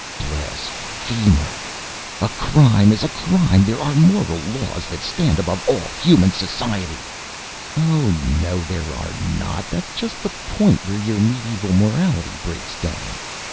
"Blasphemer! A crime is a crime! There are moral laws that stand above all human society." "Oh no there are not, that's just the point where your medieval morality breaks down.